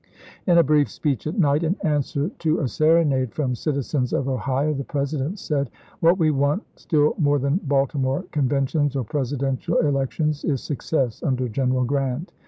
In a brief speech at night, in answer to a serenade from citizens of Ohio, the President said :" What we want, still more than Baltimore conventions or Presidential elec tions, is success under General Grant.